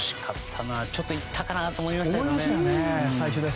ちょっといったかなと思いましたけどね。